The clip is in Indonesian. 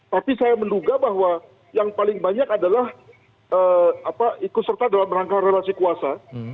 tapi saya menduga bahwa yang paling banyak adalah ikut serta dalam rangka relasi kuasa